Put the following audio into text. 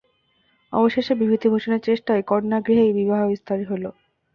অবশেষে বিভূতিভূষণের চেষ্টায় কন্যাগৃহেই বিবাহ স্থির হইল।